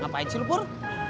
ngapain sih lu pur